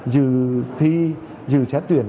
dự thí dự xét tuyển